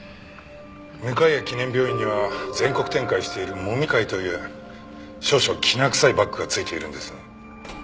向谷記念病院には全国展開しているもみ会という少々きな臭いバックがついているんです。